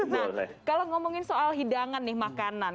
nah kalau ngomongin soal hidangan nih makanan